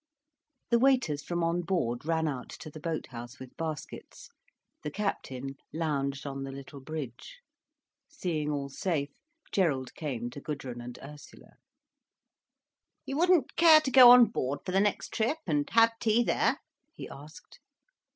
The waiters from on board ran out to the boat house with baskets, the captain lounged on the little bridge. Seeing all safe, Gerald came to Gudrun and Ursula. "You wouldn't care to go on board for the next trip, and have tea there?" he asked.